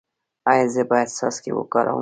ایا زه باید څاڅکي وکاروم؟